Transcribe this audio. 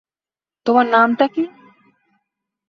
তোমার নামটা কী?